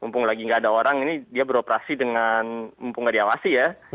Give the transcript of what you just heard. mumpung lagi nggak ada orang ini dia beroperasi dengan mumpung nggak diawasi ya